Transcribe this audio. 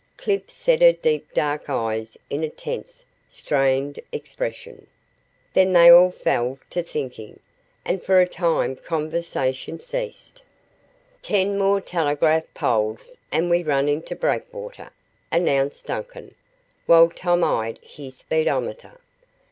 Clip set her deep dark eyes in a tense, strained expression. Then they all fell to thinking, and for a time conversation ceased. "Ten more telegraph poles and we run into Breakwater," announced Duncan, while Tom eyed his speedometer.